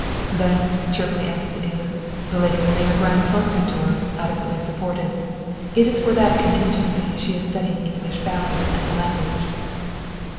"Then," cheerfully answered the dealer, "the lady will make a grand concert tour, adequately supported. It is for that contingency she is studying English ballads and the language."